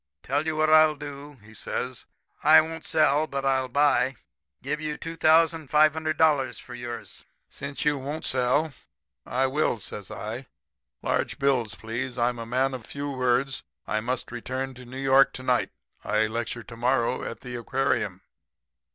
Tell you what I'll do,' he says. 'I won't sell, but I'll buy. Give you $2,500 for yours.' "'Since you won't sell, I will,' says I. 'Large bills, please. I'm a man of few words. I must return to New York to night. I lecture to morrow at the aquarium.'